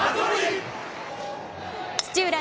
土浦